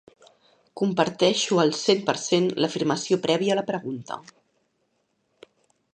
Comparteixo al cent per cent l'afirmació prèvia a la pregunta.